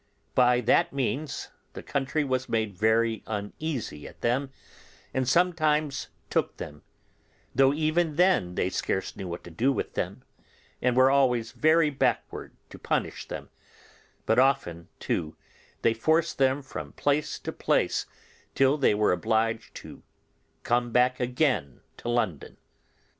By that means the country was made very uneasy at them, and sometimes took them up; though even then they scarce knew what to do with them, and were always very backward to punish them, but often, too, they forced them from place to place till they were obliged to come back again to London.